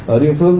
ở địa phương